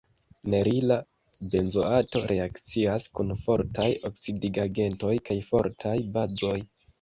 Nerila benzoato reakcias kun fortaj oksidigagentoj kaj fortaj bazoj.